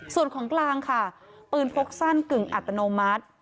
ส่วนของกลางค่ะปืนพกสั้นกึ่งอัตโนมัติ